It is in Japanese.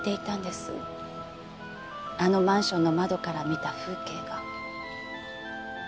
あのマンションの窓から見た風景が。